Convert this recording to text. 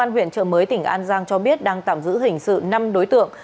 huyện trợ mới tỉnh an giang cho biết đang tạm giữ hình sự năm đối tượng